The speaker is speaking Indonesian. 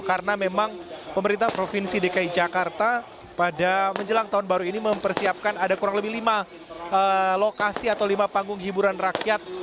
karena memang pemerintah provinsi dki jakarta pada menjelang tahun baru ini mempersiapkan ada kurang lebih lima lokasi atau lima panggung hiburan rakyat